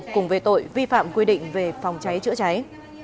cùng về tội vi phạm quy định về phòng cháy chữa cháy